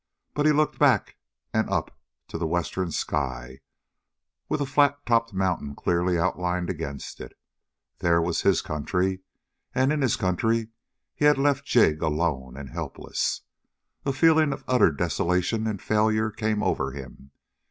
But he looked back and up to the western sky, with a flat topped mountain clearly outlined against it. There was his country, and in his country he had left Jig alone and helpless. A feeling of utter desolation and failure came over him.